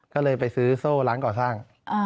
ก็เลยไปซื้อโซ่ร้านก่อสร้าง